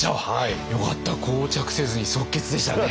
よかった膠着せずに即決でしたね。